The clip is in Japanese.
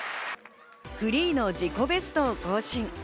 フリーの自己ベストを更新。